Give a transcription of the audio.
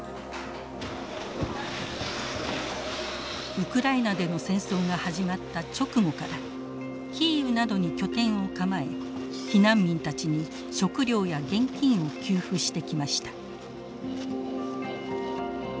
ウクライナでの戦争が始まった直後からキーウなどに拠点を構え避難民たちに食料や現金を給付してきました。